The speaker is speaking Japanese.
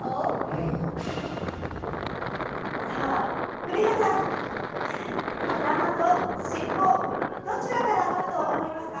古谷さん、頭と尻尾どちらからのむと思いますか？